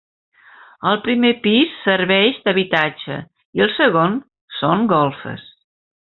El primer pis serveix d'habitatge i el segon són golfes.